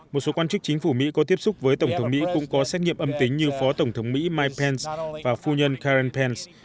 một số quan chức chính phủ mỹ có tiếp xúc với tổng thống mỹ cũng có xét nghiệm âm tính như phó tổng thống mỹ mike pence và phu nhân karen pence